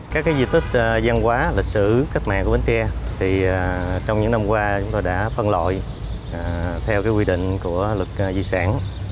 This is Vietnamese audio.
các di tích văn hóa lịch sử cấp mạng của miến tre thì trong những năm qua chúng tôi đã phân loại theo quy định của lực di sản